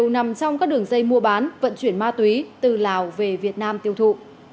nằm trong các đường dây mua bán vận chuyển ma túy từ lào về việt nam tiêu thụ